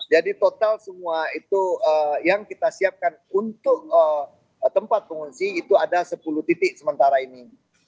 jadi total semua itu yang kita siapkan untuk tempat pengungsi itu ada sepuluh titik sementara ini